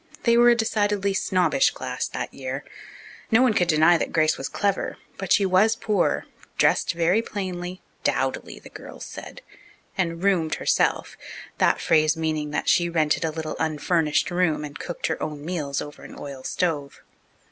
They were a decidedly snobbish class that year. No one could deny that Grace was clever, but she was poor, dressed very plainly "dowdily," the girls said and "roomed" herself, that phrase meaning that she rented a little unfurnished room and cooked her own meals over an oil stove.